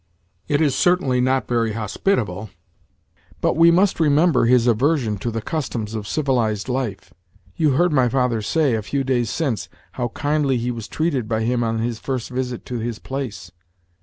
"It is certainly not very hospitable; but we must remember his aversion to the customs of civilized life. You heard my father say, a few days since, how kindly he was treated by him on his first visit to his place."